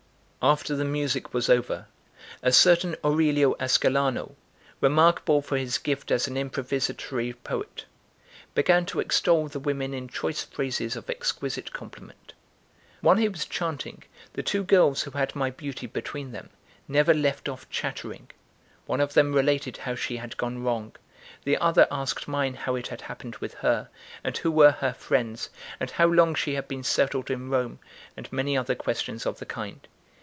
After the music was over, a certain Aurelio Ascolano, remarkable for his gift as an improvisatory poet, began to extol the women in choice phrases of exquisite compliment. While he was chanting, the two girls who had my beauty between them never left off chattering. One of them related how she had gone wrong; the other asked mine how it had happened with her, and who were her friends, and how long she had been settled in Rome, and many other questions of the kind.